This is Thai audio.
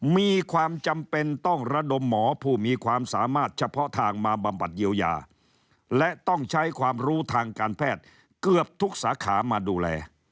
มีความจำเป็นต้องระดมหมอผู้มีความสามารถเฉพาะทางมาบำบัดเยียวยาและต้องใช้ความรู้ทางการแพทย์เกือบทุกสาขามาดูแล